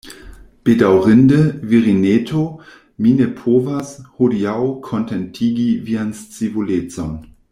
Bedaŭrinde, virineto, mi ne povas, hodiaŭ, kontentigi vian scivolecon.